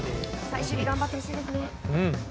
最終日頑張ってほしいですね。